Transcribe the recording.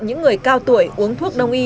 những người cao tuổi uống thuốc đồng y